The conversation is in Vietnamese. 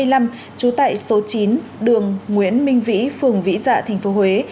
trú tại số chín đường nguyễn minh vĩ phường vĩ dạ tp huế